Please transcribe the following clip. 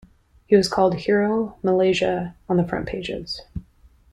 He was called Hero Malaysia on the front pages.